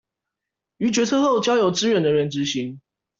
於決策後交由支援人員執行